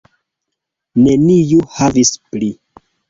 Neniu havis pli.